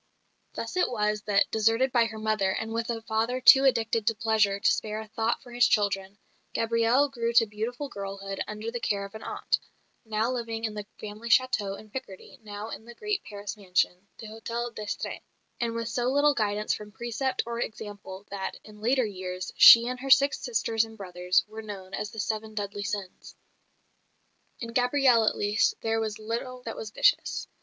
Thus it was that, deserted by her mother, and with a father too addicted to pleasure to spare a thought for his children, Gabrielle grew to beautiful girlhood under the care of an aunt now living in the family château in Picardy, now in the great Paris mansion, the Hotel d'Estrées; and with so little guidance from precept or example that, in later years, she and her six sisters and brothers were known as the "Seven Deadly Sins." In Gabrielle at least there was little that was vicious.